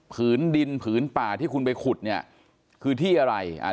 ผืนดินผืนป่าที่คุณไปขุดเนี่ยคือที่อะไรอ่า